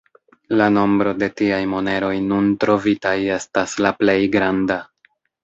La nombro de tiaj moneroj nun trovitaj estas la plej granda.